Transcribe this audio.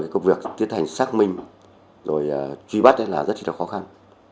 công việc tiến hành xác minh truy bắt rất khó khăn